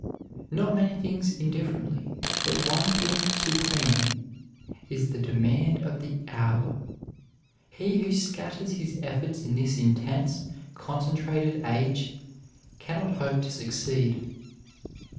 Not many things indifferently, but one thing supremely, is the demand of the hour. He who scatters his efforts in this intense, concentrated age, cannot hope to succeed.